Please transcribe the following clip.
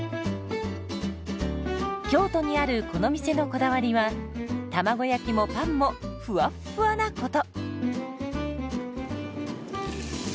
京都にあるこの店のこだわりは卵焼きもパンもふわっふわなこと。